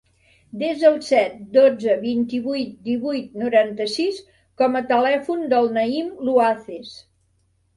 Desa el set, dotze, vint-i-vuit, divuit, noranta-sis com a telèfon del Naïm Luaces.